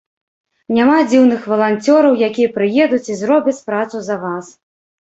Няма дзіўных валанцёраў, якія прыедуць і зробяць працу за вас.